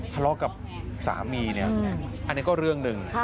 ทะเลาะกับสามีเนี่ยอันนี้ก็เรื่องหนึ่ง